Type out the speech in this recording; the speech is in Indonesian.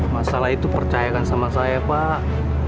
masalah itu percayakan sama saya pak